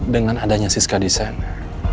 dengan adanya siska disana